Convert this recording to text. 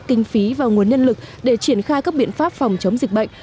kinh phí và nguồn nhân lực để triển khai các biện pháp phòng chống dịch bệnh